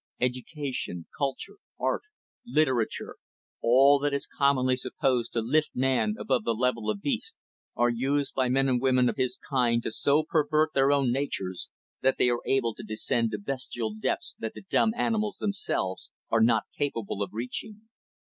Education, culture, art, literature, all that is commonly supposed to lift man above the level of the beasts, are used by men and women of his kind to so pervert their own natures that they are able to descend to bestial depths that the dumb animals themselves are not capable of reaching.